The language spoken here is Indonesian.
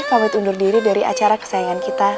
pamit undur diri dari acara kesayangan kita